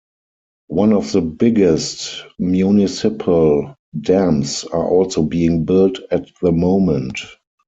One of the biggest municipal dams are also being built at the moment.